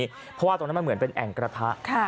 เพราะว่าตรงนั้นมันเหมือนเป็นแอ่งกระทะ